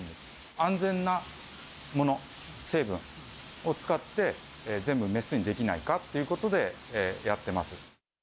安全なもの、成分を使って、全部メスにできないかということで、やってます。